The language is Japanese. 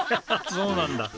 そうなんだ。